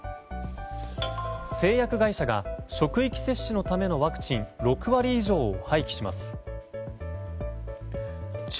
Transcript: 製薬会社が職域接種のためのワクチン６割以上を廃棄します。